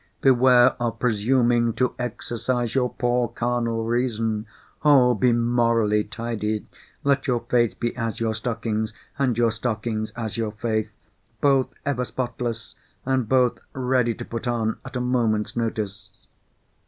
beware of presuming to exercise your poor carnal reason. Oh, be morally tidy. Let your faith be as your stockings, and your stockings as your faith. Both ever spotless, and both ready to put on at a moment's notice!